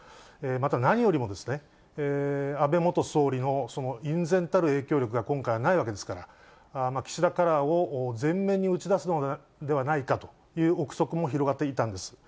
また、何よりも、安倍元総理の隠然たる影響力が今回はないわけですから、岸田カラーを前面に打ち出すのではないかという臆測も広がっていたんです。